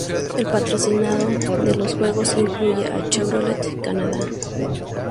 El patrocinio de los juegos incluye a Chevrolet Canadá.